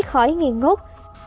khói nghi ngút